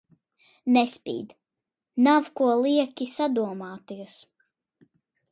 Nespīd, nav ko lieki sadomāties.